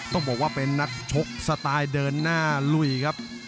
ต้องบอกว่าเป็นนักชกสไตล์เดินหน้าลุยครับ